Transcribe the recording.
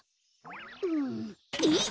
うんえっ！？